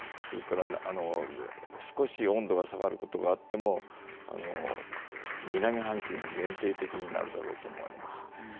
それから、少し温度が下がることがあっても南半球に限定的になるだろうと思われます。